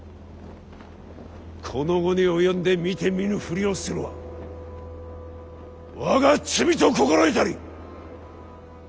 この期に及んで見て見ぬふりをするは我が罪と心得たり！